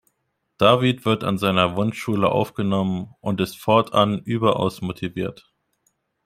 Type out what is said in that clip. David wird an seiner Wunsch-Schule aufgenommen und ist fortan überaus motiviert.